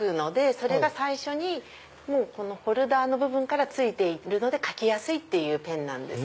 それがこのホルダーの部分からついているので書きやすいペンなんです。